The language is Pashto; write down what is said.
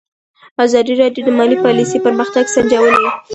ازادي راډیو د مالي پالیسي پرمختګ سنجولی.